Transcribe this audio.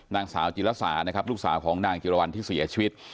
นางสาวจิลสานะครับลูกสาวของนางจิรวรรณที่เสียชีวิต